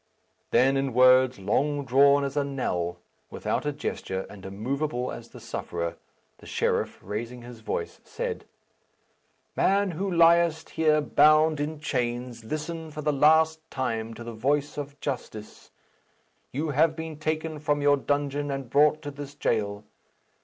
Then in words long drawn as a knell, without a gesture, and immovable as the sufferer, the sheriff, raising his voice, said, "Man, who liest here bound in chains, listen for the last time to the voice of justice; you have been taken from your dungeon and brought to this jail.